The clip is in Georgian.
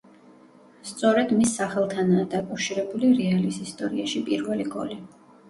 სწორედ მის სახელთანაა დაკავშირებული რეალის ისტორიაში პირველი გოლი.